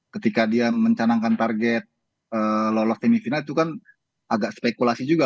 ketika dia mencanangkan target lolos semifinal itu kan agak spekulasi juga